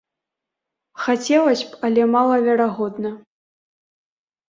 Хацелася б, але малаверагодна.